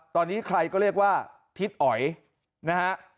ตอนนี้ใครก็เรียกว่าทิศอ๋อยนะฮะ